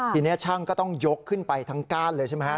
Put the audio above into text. ทีนี้ช่างก็ต้องยกขึ้นไปทั้งก้านเลยใช่ไหมฮะ